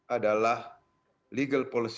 adalah legal policy